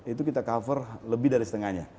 itu kita cover lebih dari setengahnya